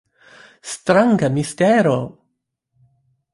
Stranga mistero!